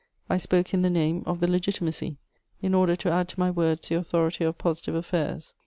I spoke in the name of the Legitimacy, in order to add to my words the authority of positive affairs.